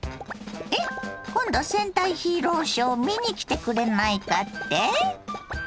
今度戦隊ヒーローショー見に来てくれないかって？